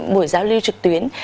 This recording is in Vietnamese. buổi giao lưu trực tuyến